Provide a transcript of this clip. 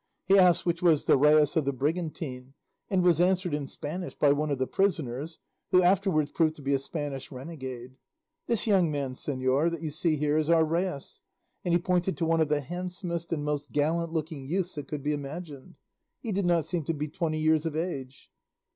He asked which was the rais of the brigantine, and was answered in Spanish by one of the prisoners (who afterwards proved to be a Spanish renegade), "This young man, señor, that you see here is our rais," and he pointed to one of the handsomest and most gallant looking youths that could be imagined. He did not seem to be twenty years of age.